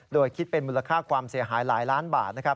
โดยคิดเป็นมูลค่าความเสียหายหลายล้านบาทนะครับ